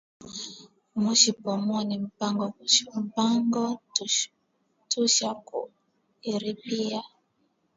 Mushi Pomone mpango tusha ku iripia